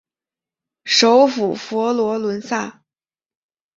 首府佛罗伦萨。